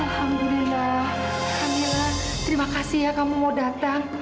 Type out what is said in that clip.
kamilah terima kasih ya kamu mau datang